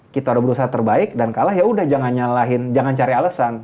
kita udah berusaha terbaik dan kalah yaudah jangan nyalahin jangan cari alasan